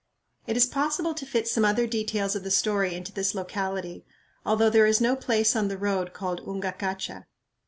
It is possible to fit some other details of the story into this locality, although there is no place on the road called Ungacacha.